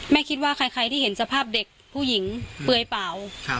คิดว่าใครที่เห็นสภาพเด็กผู้หญิงเปลือยเปล่า